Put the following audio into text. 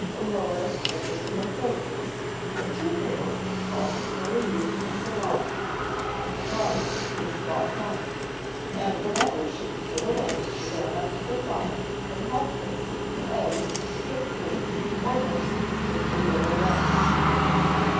Aurore's particular favourites were two girls called Marie and Solange, daughters of a small farmer, and whenever she could get away she ran up to the farm, and helped them seek for eggs, pick fruit, or nurse the sickly little lambs.